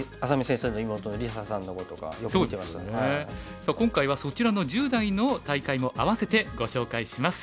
さあ今回はそちらの１０代の大会も併せてご紹介します。